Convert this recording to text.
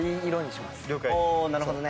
おおなるほどね。